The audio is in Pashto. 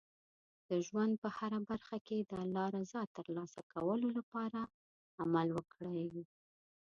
د ژوند په هره برخه کې د الله رضا ترلاسه کولو لپاره عمل وکړئ.